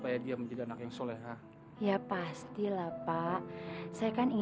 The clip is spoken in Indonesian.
ya udah udah pulang pulang pulang sana